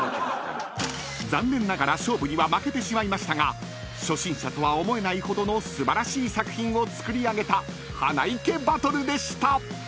［残念ながら勝負には負けてしまいましたが初心者とは思えないほどの素晴らしい作品を作り上げた花いけバトルでした］